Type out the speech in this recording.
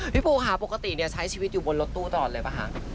พี่ปูค่ะปกติใช้ชีวิตอยู่บนรถตู้ตลอดเลยป่ะคะ